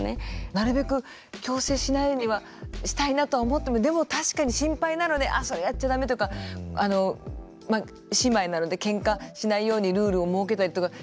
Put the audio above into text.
なるべく強制しないようにはしたいなとは思っても、でも確かに心配なのであ、それやっちゃだめとか姉妹なので、けんかしないようにルールを設けたりとか。